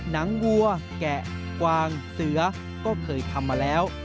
งวัวแกะกวางเสือก็เคยทำมาแล้ว